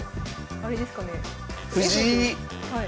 あれですかね？